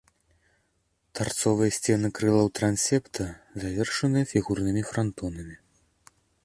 Тарцовыя сцены крылаў трансепта завершаны фігурнымі франтонамі.